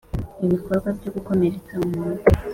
ibikorwa byo gukomeretsa umuntu